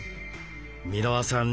箕輪さん